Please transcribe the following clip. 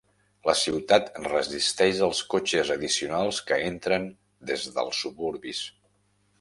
La ciutat resisteix els cotxes addicionals que entren des dels suburbis.